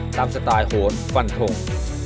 ตามสไตล์โหดฝันถง